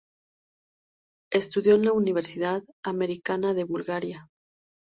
Estudió en la Universidad Americana de Bulgaria.